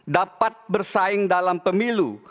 dapat bersaing dalam pemilu